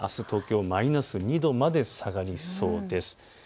東京マイナス２度まで下がりそうです。